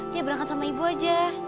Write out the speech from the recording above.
dia berangkat sama ibu aja